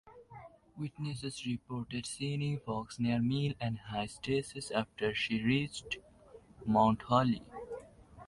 Witnesses reported seeing Fox near Mill and High streets after she reached Mount Holly.